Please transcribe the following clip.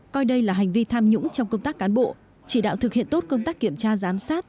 coi đây là hành vi tham nhũng trong công tác cán bộ chỉ đạo thực hiện tốt công tác kiểm tra giám sát